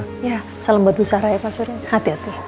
ya salam badu sarah ya pak suri hati hati